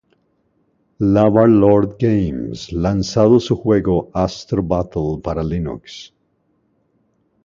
Lava Lord Games lanzado su juego "Astro Battle" para Linux.